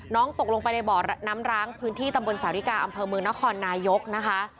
ตกลงไปในบ่อน้ำร้างพื้นที่ตำบลสาวิกาอำเภอเมืองนครนายกนะคะ